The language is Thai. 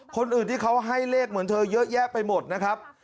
คนอื่นที่เขาให้เลขเหมือนเธอเยอะแยะไปหมดนะครับ